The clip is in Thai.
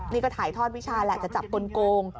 นี่ก็ถ่ายทอดวิชาแหละจะจับกลง